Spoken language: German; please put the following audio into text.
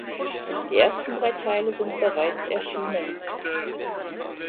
Die ersten drei Teile sind bereits erschienen.